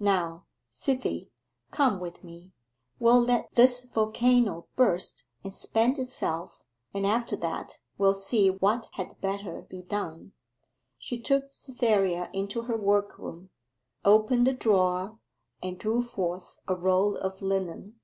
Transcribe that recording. Now, Cythie, come with me; we'll let this volcano burst and spend itself, and after that we'll see what had better be done.' She took Cytherea into her workroom, opened a drawer, and drew forth a roll of linen.